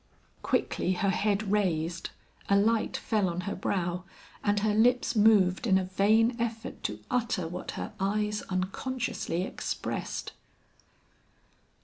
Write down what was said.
Quickly her head raised, a light fell on her brow, and her lips moved in a vain effort to utter what her eyes unconsciously expressed.